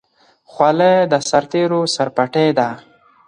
خولۍ د سرتېرو سرپټۍ ده.